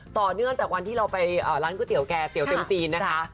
ต่อด้วยตั้งแต่วันที่เราไปร้านก๋วยเตี๋ยวแก่เตี๋ยวเต็มตีนนะคะ